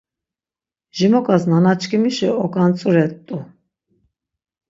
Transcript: Jimoǩas nana çkimişi oǩantzure rt̆u.